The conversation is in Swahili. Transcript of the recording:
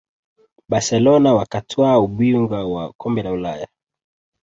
barcelona wakatwaa ubingwa wa kombe la ulaya